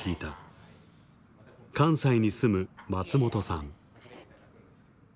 関西に住む松本さん。